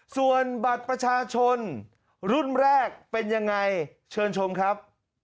ส่วนบัตรประชาชนรุ่นแรกเป็นยังไงเชิญชมครับ